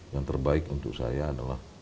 yang terbaik untuk saya adalah